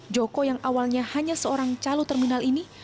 joko yang awalnya hanya seorang calu terminal ini